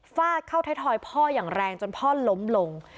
ฟาดเข้าไทยทอยพ่ออย่างแรงจนพ่อล้มลง